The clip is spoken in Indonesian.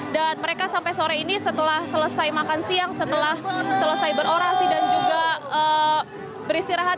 dan mereka sampai sore ini setelah selesai makan siang setelah selesai berorasi dan juga beristirahat